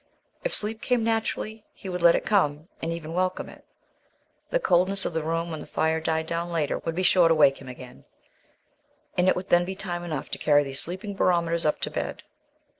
If sleep came naturally, he would let it come and even welcome it. The coldness of the room, when the fire died down later, would be sure to wake him again; and it would then be time enough to carry these sleeping barometers up to bed.